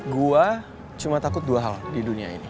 gue cuma takut dua hal di dunia ini